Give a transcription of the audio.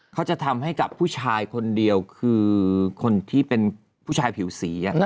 เขาจะทำให้กับผู้ชายคนเดียวคือคนที่เป็นผู้ชายผิวสี